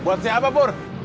buat siapa pur